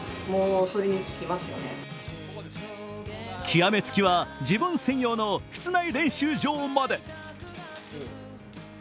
極め付きは、自分専用の室内練習場まで。